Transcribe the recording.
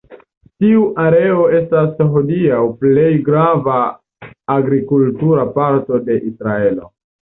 Tiu areo estas hodiaŭ plej grava agrikultura parto de Israelo.